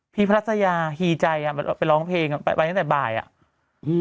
พีคพระรัชญาหี่ใจอ่ะไปร้องเพลงไปเนื่องจากบ่ายอ่ะ